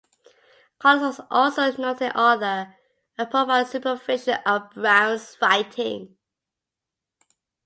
Collis was also a noted author, and provided supervision of Brown's writing.